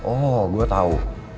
oh gue tau